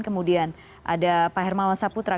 kemudian ada pak hermawan saputra